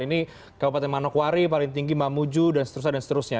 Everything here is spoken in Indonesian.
ini kabupaten manokwari paling tinggi mamuju dan seterusnya